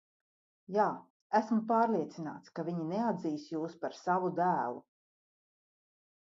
Jā, esmu pārliecināts, ka viņi neatzīs jūs par savu dēlu.